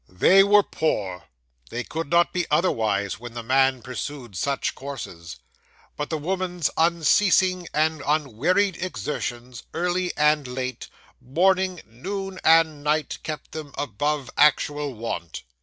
'They were poor they could not be otherwise when the man pursued such courses; but the woman's unceasing and unwearied exertions, early and late, morning, noon, and night, kept them above actual want.